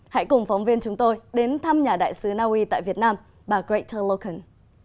hãy cùng phóng viên chúng tôi đến thăm nhà đại sứ naui tại việt nam bà greta loken